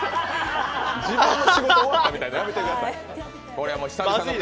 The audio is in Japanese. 自分の仕事終わったみたいなのやめてください。